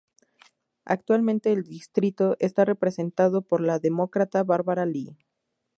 Actualmente el distrito está representado por la Demócrata Barbara Lee.